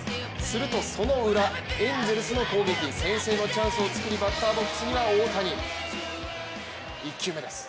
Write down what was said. するとそのウラ、エンゼルスの攻撃先制のチャンスをつくりバッターボックスには大谷です。